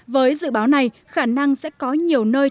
với dự báo này khả năng sẽ có nhiều nơi